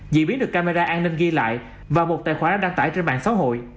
dị biến được camera an ninh ghi lại và một tài khoản đã đăng tải trên mạng xã hội